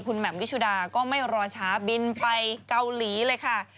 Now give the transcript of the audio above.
คุณแหม่มวิชุดาก็ไม่รอช้าบินไปเกาหลีเลยค่ะ